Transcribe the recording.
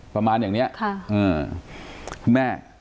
ประมาณอย่างเนี้ยค่ะอืมคุณแม่